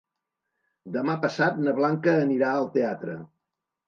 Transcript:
Demà passat na Blanca anirà al teatre.